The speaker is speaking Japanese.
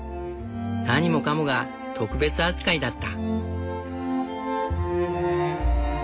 何もかもが特別扱いだった。